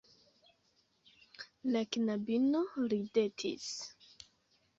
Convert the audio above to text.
La knabino ridetis.